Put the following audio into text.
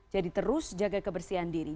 jadi terus jaga kebersihan diri